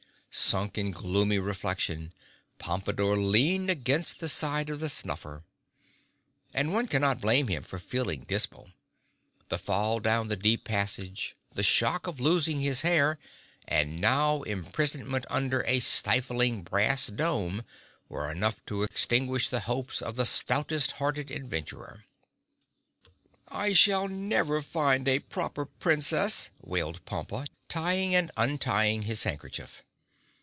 Sunk in gloomy reflection, Pompadore leaned against the side of the snuffer. And one cannot blame him for feeling dismal. The fall down the deep passage, the shock of losing his hair and now imprisonment under a stifling brass dome were enough to extinguish the hopes of the stoutest hearted adventurer. "I shall never find a Proper Princess!" wailed Pompa, tying and untying his handkerchief.